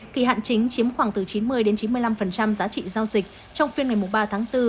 kỳ hạn chính chiếm khoảng từ chín mươi chín mươi năm giá trị giao dịch trong phiên ngày ba tháng bốn